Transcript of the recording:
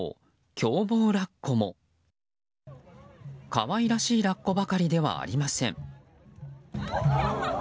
可愛らしいラッコばかりではありません。